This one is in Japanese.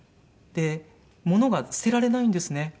でものが捨てられないんですね。